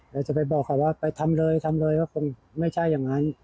แล้วจะไปบอกเขาว่าไปทำเลยทำเลยว่าคงไม่ใช่อย่างนั้น